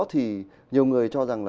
thì nhiều người cho rằng